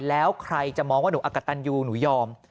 แล้วใครจะมองว่าหนูอักกะตันยูหนูยอม